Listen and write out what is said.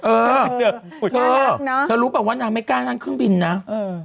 เออเออน่ารักเนาะเธอรู้ป่ะว่านางไม่กล้านั่งเครื่องบินนะเออ